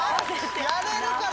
やれるから！